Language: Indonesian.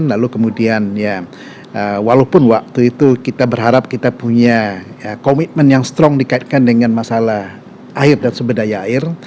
lalu kemudian ya walaupun waktu itu kita berharap kita punya komitmen yang strong dikaitkan dengan masalah air dan sumber daya air